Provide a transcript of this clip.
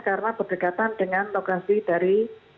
karena berdekatan dengan lokasi dari